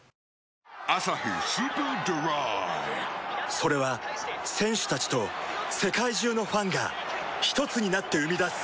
それは選手たちと世界中のファンがひとつになって生み出す